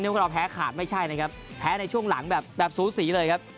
พวกเราแพ้ขาดไม่ใช่นะครับแพ้ในช่วงหลังแบบสูสีเลยครับ